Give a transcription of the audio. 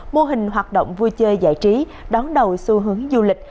mô hình hoạt động vui chơi giải trí đón đầu xu hướng du lịch